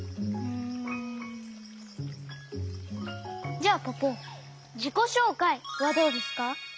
じゃあポポじこしょうかいはどうですか？